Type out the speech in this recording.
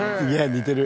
似てる。